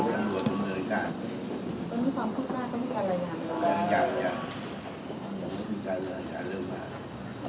น้องสมบัติ